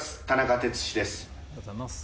田中哲司です。